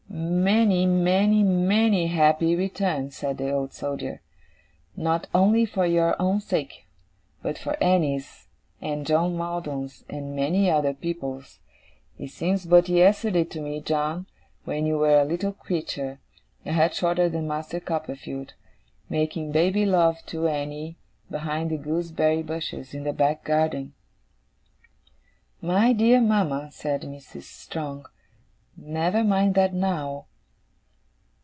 'Many, many, many, happy returns,' said the Old Soldier. 'Not only for your own sake, but for Annie's, and John Maldon's, and many other people's. It seems but yesterday to me, John, when you were a little creature, a head shorter than Master Copperfield, making baby love to Annie behind the gooseberry bushes in the back garden.' 'My dear mama,' said Mrs. Strong, 'never mind that now.